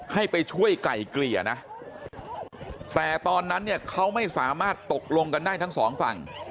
ให้ไปช่วยไกล่เกลี่ยนะแต่ตอนนั้นเนี่ยเขาไม่สามารถตกลงกันได้ทั้งสองฝั่ง